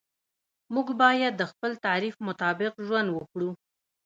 موږ باید د خپل تعریف مطابق ژوند وکړو.